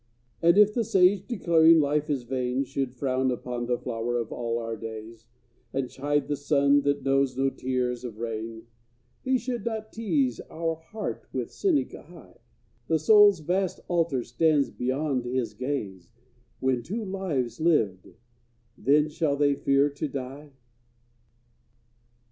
And if the sage, declaring life is vain, Should frown upon the flower of all our days And chide the sun that knows no tears of rain, He should not tease our heart with cynic eye The soul's vast altar stands beyond his gaze When two have lived then shall they fear to die?